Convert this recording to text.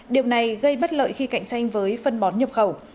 điều này gây bất lợi khi cạnh tranh với phân bón nhập khẩu